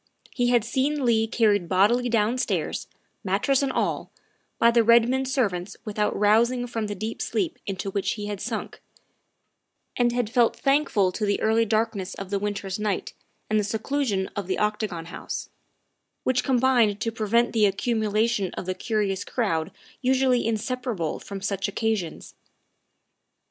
He had seen Leigh carried bodily downstairs, mattress and all, by the Redmond servants without rousing from the deep sleep into which he had sunk, and had felt thank ful to the early darkness of the winter's night and the seclusion of the Octagon House, which combined to pre vent the accumulation of the curious crowd usually in separable from such occasions.